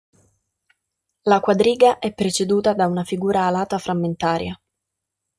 La quadriga è preceduta da una figura alata frammentaria.